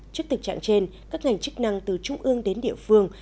trước tình trạng trên các ngành chức năng từ trung ương đến địa phương